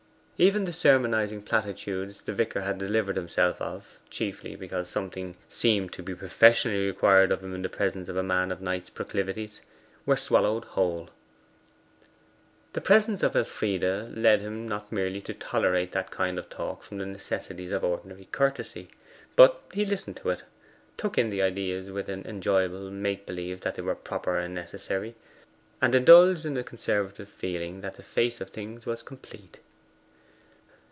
Even the sermonizing platitudes the vicar had delivered himself of chiefly because something seemed to be professionally required of him in the presence of a man of Knight's proclivities were swallowed whole. The presence of Elfride led him not merely to tolerate that kind of talk from the necessities of ordinary courtesy; but he listened to it took in the ideas with an enjoyable make believe that they were proper and necessary, and indulged in a conservative feeling that the face of things was complete.